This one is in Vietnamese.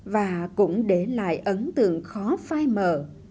và cũng để lại ấn tượng khó phai mở